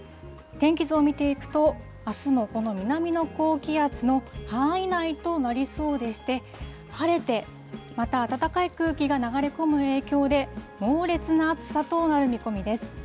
天気図を見ていくと、あすもこの南の高気圧の範囲内となりそうでして、晴れて、また暖かい空気が流れ込む影響で、猛烈な暑さとなる見込みです。